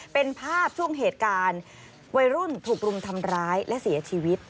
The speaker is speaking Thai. เป็นภาพช่วงเหตุการณ์วัยรุ่นถูกรุมทำร้ายและเสียชีวิต